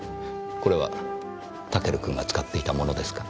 これはタケル君が使っていたものですか？